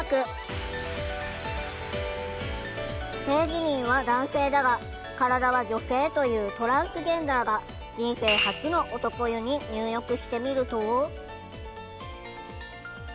性自認は男性だが体は女性というトランスジェンダーが人生初の男湯に入浴してみると。